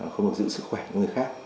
không được giữ sức khỏe của người khác